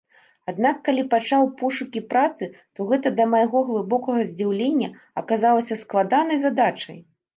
Аднак калі пачаў пошукі працы, то гэта да майго глыбокага здзіўлення аказалася складанай задачай.